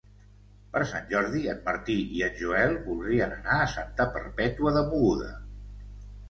Per Sant Jordi en Martí i en Joel voldrien anar a Santa Perpètua de Mogoda.